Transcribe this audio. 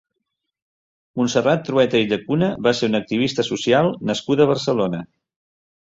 Montserrat Trueta i Llacuna va ser una activista social nascuda a Barcelona.